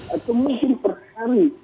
atau mungkin per hari